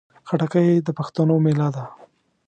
خټکی د پښتنو مېله ده.